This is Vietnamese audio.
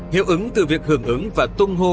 hiệu ứng từ việc hưởng ứng và tung hô